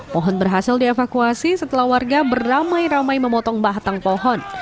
pohon berhasil dievakuasi setelah warga beramai ramai memotong batang pohon